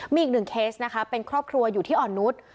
มีอีกหนึ่งเคสนะคะเป็นครอบครัวอยู่ที่อ่อนนุษย์